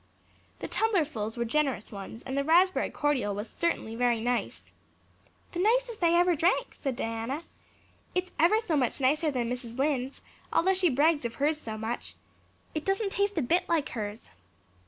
The tumblerfuls were generous ones and the raspberry cordial was certainly very nice. "The nicest I ever drank," said Diana. "It's ever so much nicer than Mrs. Lynde's, although she brags of hers so much. It doesn't taste a bit like hers."